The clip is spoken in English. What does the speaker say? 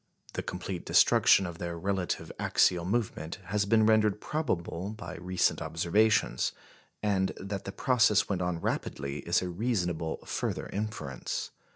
The complete destruction of their relative axial movement has been rendered probable by recent observations; and that the process went on rapidly is a reasonable further inference.